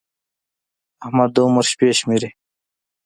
احمد د عمر شپې شمېري.